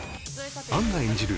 杏が演じる